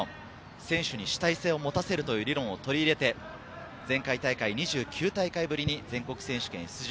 選手に主体性をもたせるという理論を取り入れて、前回大会、２９大会ぶりに全国選手権出場。